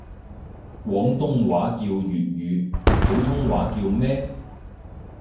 廣東話叫粵語，普通話叫咩？